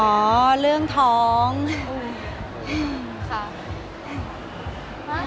คือบอกเลยว่าเป็นครั้งแรกในชีวิตจิ๊บนะ